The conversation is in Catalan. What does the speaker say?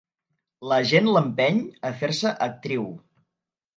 L'agent l'empeny a fer-se actriu.